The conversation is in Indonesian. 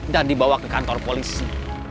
dan dibawa ke kantor polisi